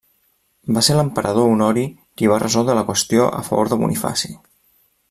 Va ser l'emperador Honori qui va resoldre la qüestió a favor de Bonifaci.